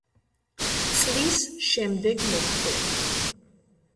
წლის შემდეგ მოხდება.